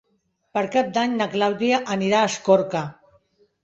Per Cap d'Any na Clàudia anirà a Escorca.